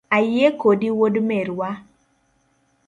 Ayie kodi wuod merwa